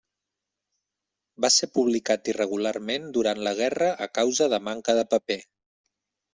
Va ser publicat irregularment durant la guerra a causa de manca de paper.